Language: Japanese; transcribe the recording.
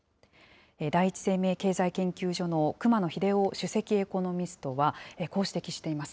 第一生命経済研究所の熊野英生首席エコノミストは、こう指摘しています。